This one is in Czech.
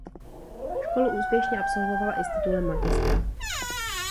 Školu úspěšně absolvovala i s titulem magistra.